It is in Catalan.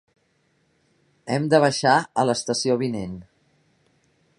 Hem de baixar a l'estació vinent.